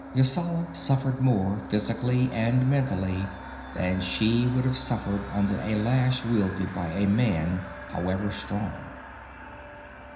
Yasala suffered more, physically and mentally, than she would have suffered under a lash wielded by a man, however strong.